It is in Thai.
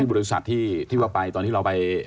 บริษัทที่ว่าไปตอนที่เราไป